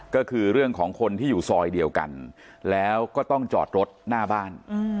ก็คือเรื่องของคนที่อยู่ซอยเดียวกันแล้วก็ต้องจอดรถหน้าบ้าน